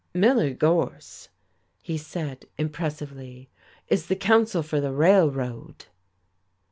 "Miller Gorse," he said impressively, "is the counsel for the railroad."